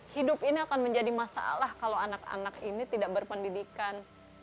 hidup ini akan menjadi masalah kalau anak anak ini tidak berpendidikan